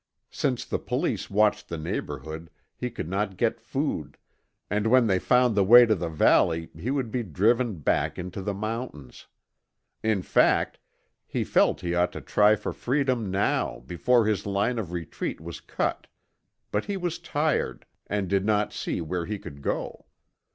Since the police watched the neighborhood, he could not get food, and when they found the way to the valley he would be driven back into the mountains. In fact, he felt he ought to try for freedom now before his line of retreat was cut, but he was tired and did not see where he could go.